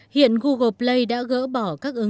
hiện google play đã gỡ bỏ các ứng dụng sạch và phổ biến